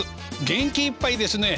元気いっぱいですね。